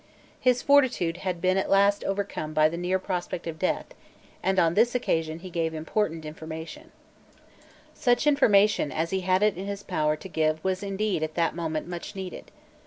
His fortitude had been at last overcome by the near prospect of death; and on this occasion he gave important information, Such information as he had it in his power to give was indeed at that moment much needed.